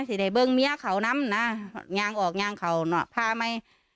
สิได้เบิ้งเมียเขานำนะยางออกยางเขาน่ะพาไหม